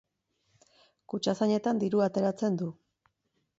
Kutxazainetan dirua ateratzen du.